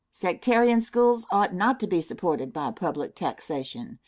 Sectarian schools ought not to be supported by public taxation.